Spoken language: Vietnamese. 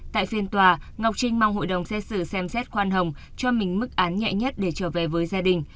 tại phiên tòa ngọc trinh mong hội đồng xét xử xem xét khoan hồng cho mình mức án nhẹ nhất để trở về với gia đình